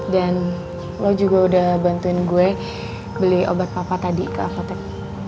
dan lo juga udah bantuin gue beli obat papa tadi ke apotek